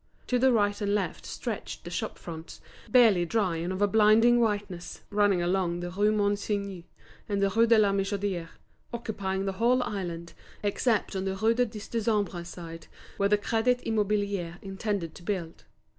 To the right and left stretched the shop fronts, barely dry and of a blinding whiteness, running along the Rue Monsigny and the Rue de la Michodière, occupying the whole island, except on the Rue du Dix Décembre side, where the Crédit Immobilier intended to build.